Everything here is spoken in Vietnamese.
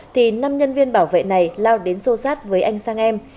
thì năm nhân viên bảo vệ này lao đến xô sát với anh sang em